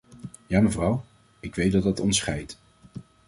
Ja, mevrouw, ik weet dat dat ons scheidt.